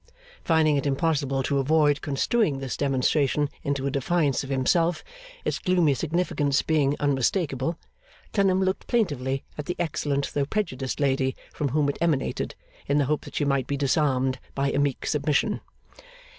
Finding it impossible to avoid construing this demonstration into a defiance of himself, its gloomy significance being unmistakable, Clennam looked plaintively at the excellent though prejudiced lady from whom it emanated, in the hope that she might be disarmed by a meek submission.